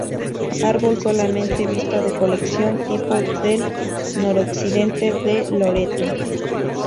Árbol solamente visto de la colección tipo, del noroccidente de Loreto.